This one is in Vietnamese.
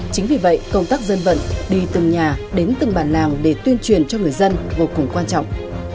chính vì vậy công tác dân vận đi từng nhà đến từng bản làng để tuyên truyền cho người dân vô cùng quan trọng